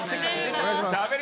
お願いします。